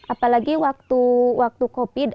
apalagi waktu waktu covid